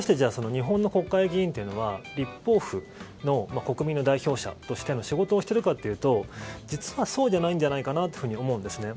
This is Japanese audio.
立法府と呼ばれますけども果たして日本の国会議員は立法府の国民の代表者として仕事をしているかというと実はそうではないんじゃないかと思うんです。